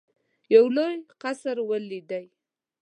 یو لوی قصر ولیدی.